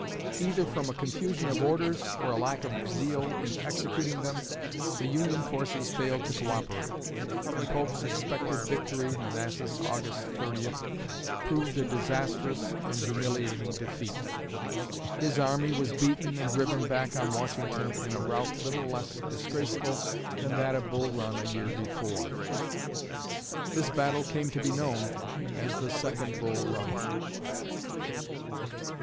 Either from a confusion of orders or a lack of zeal in executing them, the Union forces failed to co operate; and Pope's expected victory (Manassas, August 30) proved a disastrous and humiliating defeat. His army was beaten and driven back on Washington in a rout little less disgraceful than that of Bull Run a year before. This battle came to be known as the "Second Bull Run."